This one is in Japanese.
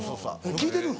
聴いてるの？